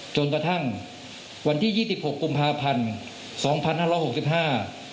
จนกระทั่งวันที่ยี่สิบหกกุมภาพันธ์สองพันห้าร้อยหกสิบห้า